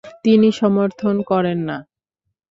তিনি সমর্থন করেন না।